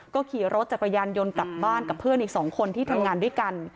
ก็ขี่รถจักรยานยนต์กลับบ้านกับเพื่อนอีก๒คนที่ทำงานด้วยกัน